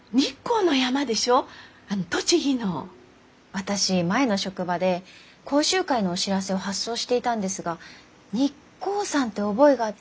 私前の職場で講習会のお知らせを発送していたんですが日光山って覚えがあって。